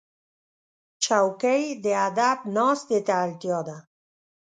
چوکۍ د ادب ناستې ته اړتیا ده.